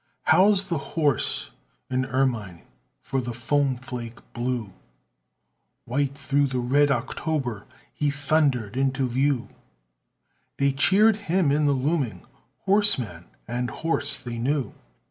House the horse in ermine For the foam flake blew White through the red October; He thundered into view; They cheered him in the looming, Horseman and horse they knew.